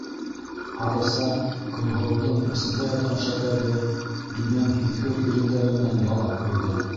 Һарыса, - Көнһылыуҙың усында ятҡан шәкәрҙе дүнән һиҙгер ирендәре менән ялап ҡуйҙы.